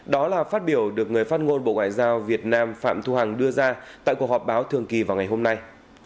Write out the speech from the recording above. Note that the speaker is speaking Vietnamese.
đó là phát biểu được người phát ngôn bộ ngoại giao việt nam phạm thu hằng đưa ra tại cuộc họp báo thường kỳ vào ngày hôm nay